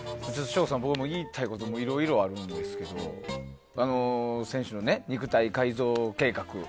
省吾さん、僕言いたいことがいろいろあるんですけど先週の肉体改造計画。